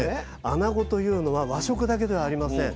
あなごというのは和食だけではありません。